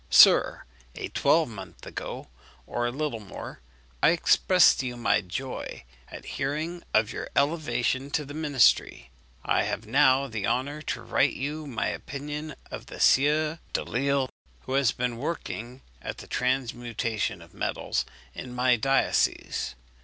"SIR, A twelvemonth ago, or a little more, I expressed to you my joy at hearing of your elevation to the ministry; I have now the honour to write you my opinion of the Sieur Delisle, who has been working at the transmutation of metals in my diocese.